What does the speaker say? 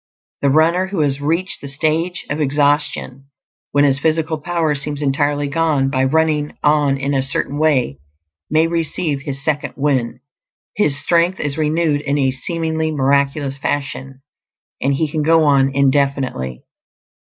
The runner who has reached the stage of exhaustion, when his physical power seems entirely gone, by running on in a Certain Way may receive his "second wind"; his strength is renewed in a seemingly miraculous fashion, and he can go on indefinitely.